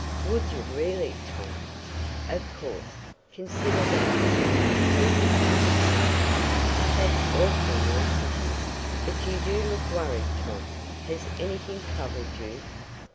"Would you really, Tom?" "Of course. Consider that you have the first invitation." "That's awfully nice of you. But you do look worried, Tom. Has anything troubled you?"